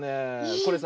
これさ